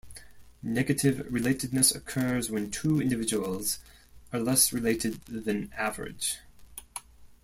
Negative relatedness occurs when two individuals are less related than average.